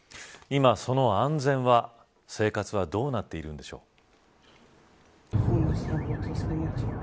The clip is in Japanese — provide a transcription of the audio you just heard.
今、その安全は、生活はどうなっているのでしょう。